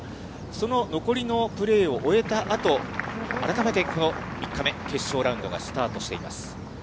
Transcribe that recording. その残りのプレーを終えたあと、改めてこの３日目、決勝ラウンドがスタートしています。